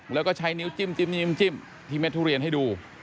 แล้วก็ใช้นิ้วจิ้มที่เด็ดทุเรียนให้ดู